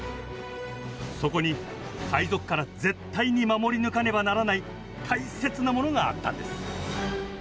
そこに海賊から絶対に守り抜かねばならない大切なものがあったんです。